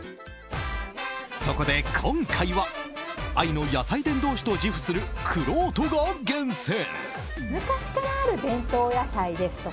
そこで、今回は愛の野菜伝道師と自負する、くろうとが厳選！